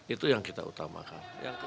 itu yang kita utamakan